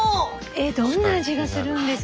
えっどんな味がするんですか？